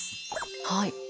はい。